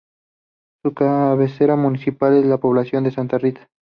Su cabecera municipal es la población de Santa Rita.